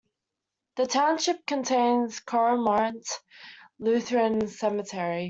The township contains Cormorant Lutheran Cemetery.